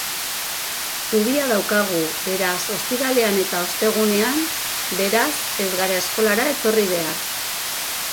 Zubia daukagu beraz ostiralean eta ostegunean beraz ez gara eskolara etorri behar.